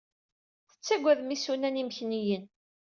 Tettagadem isunan imekniyen.